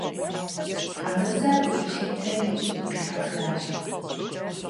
Хьэмырзэ абы гу лъитэри и щӏыб къигъэзащ.